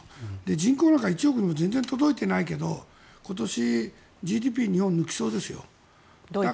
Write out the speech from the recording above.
人口なんか１億にも全然届いてないけど今年、ＧＤＰ、ドイツは日本を抜きそうですよ。